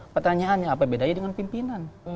pertanyaannya apa bedanya dengan pimpinan